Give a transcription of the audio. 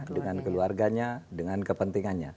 dengan keluarganya dengan kepentingannya